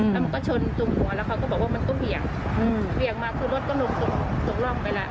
แล้วมันก็ชนตรงหัวแล้วเขาก็บอกว่ามันก็เบี่ยงเบี่ยงมาคือรถก็หลุดตกตกร่องไปแล้ว